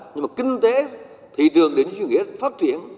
nhưng mà kinh tế thị trường đến với chuyên nghiệp phát triển